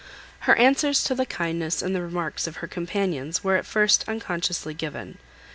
Her answers to the kindness and the remarks of her companions were at first unconsciously given.